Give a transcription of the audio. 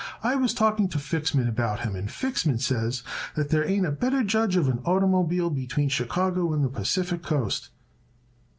"I was talking to Fixman about him and Fixman says that there ain't a better judge of an oitermobile between Chicago and the Pacific Coast."